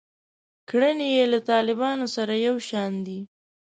کړنې یې له طالبانو سره یو شان دي.